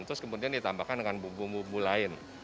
terus kemudian ditambahkan dengan bumbu bumbu lain